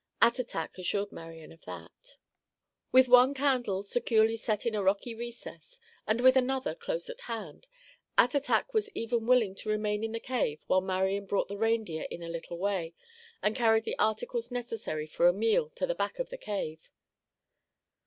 Attatak assured Marian of that. With one candle securely set in a rocky recess, and with another close at hand, Attatak was even willing to remain in the cave while Marian brought the reindeer in a little way and carried the articles necessary for a meal to the back of the cave.